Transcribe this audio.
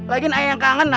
lagian ayek yang kangen nah